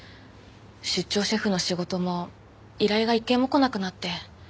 出張シェフの仕事も依頼が一件も来なくなって。